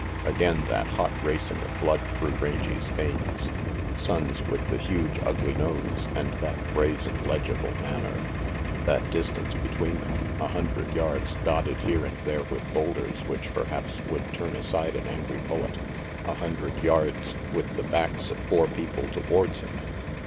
Again that hot racing of blood through Rangy's veins. Sonnes, with the huge, ugly nose, and that brazen, legible manner! That distance between them a hundred yards, dotted here and there with boulders which perhaps would turn aside an angry bullet! A hundred yards, with the backs of four people towards him!